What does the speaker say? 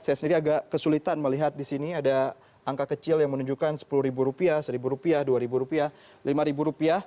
saya sendiri agak kesulitan melihat di sini ada angka kecil yang menunjukkan rp sepuluh rp satu rp dua rp lima